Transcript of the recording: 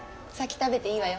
食べていいのよ。